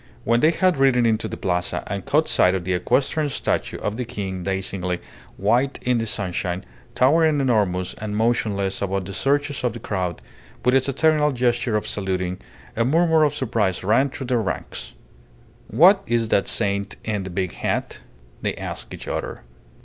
When they had ridden into the Plaza and caught sight of the equestrian statue of the King dazzlingly white in the sunshine, towering enormous and motionless above the surges of the crowd, with its eternal gesture of saluting, a murmur of surprise ran through their ranks. "What is that saint in the big hat?" they asked each other.